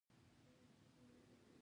جنسي تېری يو ناوړه او غيرانساني عمل دی.